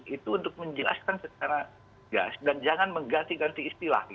itu untuk menjelaskan secara gas dan jangan mengganti ganti istilah